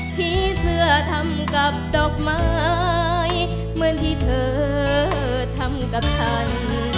ผีเสื้อทำกับดอกไม้เหมือนที่เธอทำกับฉัน